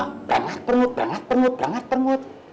perangat perngut perangat perngut perangat perngut